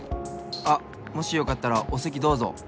あっもしよかったらおせきどうぞ。